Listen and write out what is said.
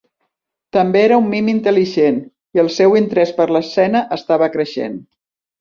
També era un mim intel·ligent, i el seu interès per la escena estava creixent.